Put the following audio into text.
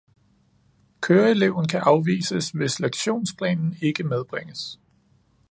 Køreeleven kan afvises, hvis lektionsplanen ikke medbringes